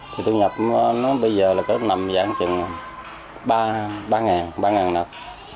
thì thu nhập nó bây giờ là cứ nằm dạng chừng ba ngàn ba ngàn nập